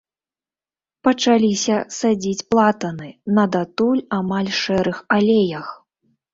Пачаліся садзіць платаны на датуль амаль шэрых алеях.